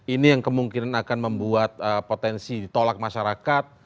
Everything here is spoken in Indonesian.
ini yang kemungkinan akan membuat potensi ditolak masyarakat